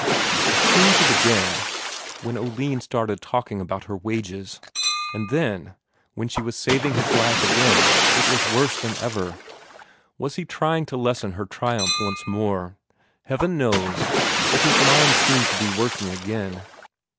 It seemed to begin when Oline started talking about her wages; and then, when she was saving his life again, it was worse than ever. Was he trying to lessen her triumph once more? Heaven knows but his mind seemed to be working again.